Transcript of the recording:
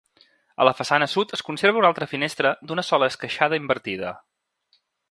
A la façana sud es conserva una altra finestra d'una sola esqueixada invertida.